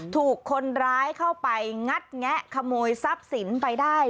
ถูกคนร้ายเข้าไปงัดแงะขโมยทรัพย์สินไปได้